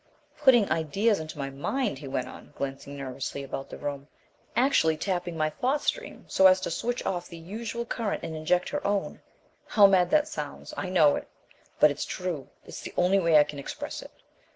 " putting ideas into my mind," he went on, glancing nervously about the room. "Actually tapping my thought stream so as to switch off the usual current and inject her own. How mad that sounds! I know it, but it's true. It's the only way I can express it.